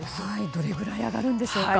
どれぐらい上がるんでしょうか？